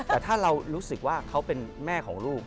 แต่ถ้าเรารู้สึกว่าเขาเป็นแม่ของลูก